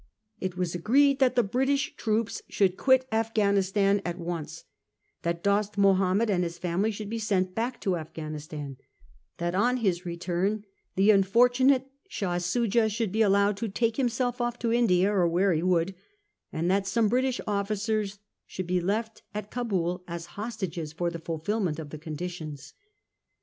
It was agreed that the British troops should quit Afghanistan at once ; that Dost Mahomed and his family should be sent back to A fgh anis tan ; that on his return the unfortunate Shah Soojah should be allowed to take himself off to India or where he would ; and that some British officers should be left at Cabul as hostages for the f ulfilm ent of the condi tions.